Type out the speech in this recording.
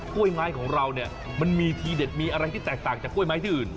กล้วยไม้ของเราเนี่ยมันมีทีเด็ดมีอะไรที่แตกต่างจากกล้วยไม้ที่อื่น